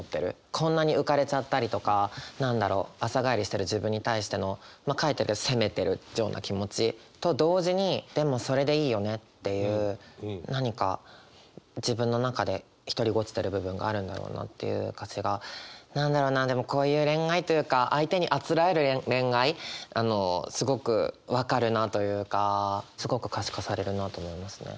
こんなに浮かれちゃったりとか何だろう朝帰りしてる自分に対してのまあ書いてて責めてるような気持ちと同時にでもそれでいいよねっていう何か自分の中でひとりごちてる部分があるんだろうなっていう歌詞が何だろうなでもこういう恋愛というか相手にあつらえる恋愛すごく分かるなというかすごく可視化されるなと思いますね。